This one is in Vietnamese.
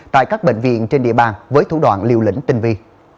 tại các bệnh viện trên địa bàn với thủ đoạn liều lĩnh tinh vi